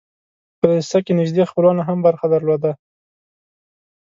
په دسیسه کې نیژدې خپلوانو هم برخه درلوده.